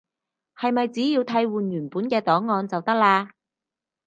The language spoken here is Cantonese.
係咪只要替換原本嘅檔案就得喇？